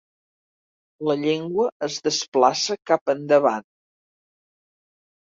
La llengua es desplaça cap endavant.